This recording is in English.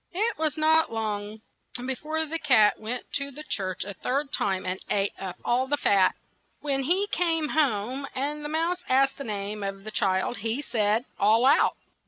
It was not long be fore the cat went to the church a third time, and ate up all the fat. When he came home and the mouse asked the name of the child, he said, "All out."